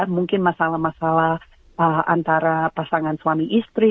mungkin masalah masalah antara pasangan suami istri